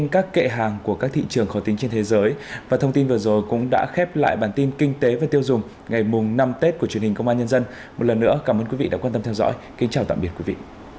cảm ơn theo dõi kính chào tạm biệt quý vị